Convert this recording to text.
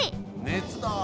熱だ！